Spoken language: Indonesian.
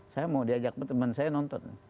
saya mau diajak teman saya nonton